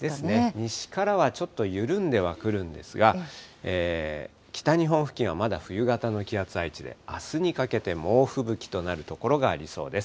西からはちょっと緩んではくるんですが、北日本付近はまだ冬型の気圧配置で、あすにかけて猛吹雪となる所がありそうです。